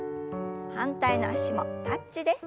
反対の脚もタッチです。